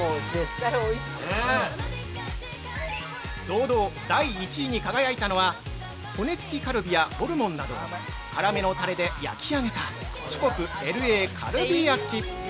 ◆堂々、第１位に輝いたのは、骨つきカルビやホルモンなどを辛めのタレで焼き上げたチュコプＬＡカルビ焼。